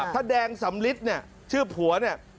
ถ้าแดงสำลิดเนี่ยชื่อผัวเนี่ย